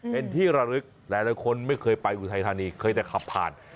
เป็นที่ระลึกหลายคนไม่เคยไปอุทัยธานีเคยแต่ขับผ่าน